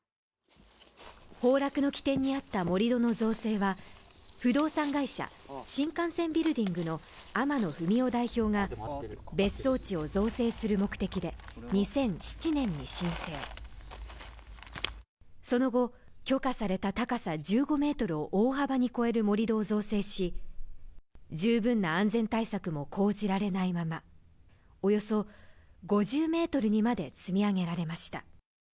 崩落の起点にあった盛り土の造成は不動産会社、新幹線ビルディングの天野二三男代表が別荘地を造成する目的で、２００７年に申請、その後、許可された高さ１５ｍを大幅に超える盛り土を造成し、十分な安全対策も講じられないまま、およそ５０ｍにまで積み上げられました。